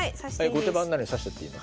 後手番なのに指しちゃっていいの？